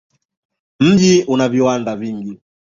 Mji una viwanda vingi.